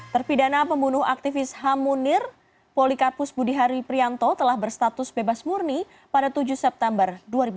terpidana pembunuh aktivis ham munir polikarpus budihari prianto telah berstatus bebas murni pada tujuh september dua ribu dua puluh